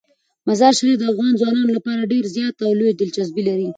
مزارشریف د افغان ځوانانو لپاره ډیره زیاته او لویه دلچسپي لري.